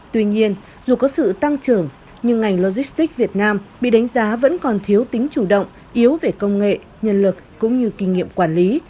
tuy nhiên dù có sự tăng trưởng nhưng ngành logistics việt nam bị đánh giá vẫn còn thiếu tính chủ động yếu về công nghệ nhân lực cũng như kinh nghiệm quản lý